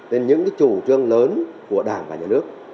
đến những chủ trương lớn của đảng và nhà nước